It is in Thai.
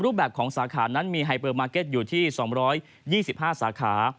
แบบของสาขานั้นมีไฮเปอร์มาร์เก็ตอยู่ที่๒๒๕สาขา